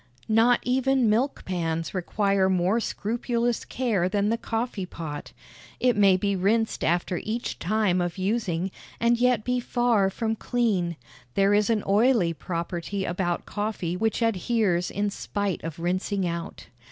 Not even milk pans require more scrupulous care than the coffee pot. It may be rinsed after each time of using, and yet be far from clean. There is an oily property about coffee which adheres in spite of rinsing out.